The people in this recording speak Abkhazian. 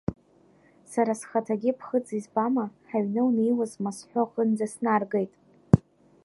Сара схаҭагьы ԥхыӡ избама, ҳаҩны унеиуазма сҳәо аҟынӡа снаргеит.